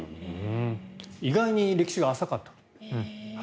意外に歴史が浅かったという。